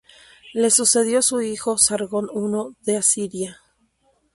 Le sucedió su hijo Sargón I de Asiria.